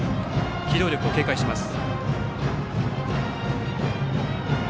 機動力を警戒します。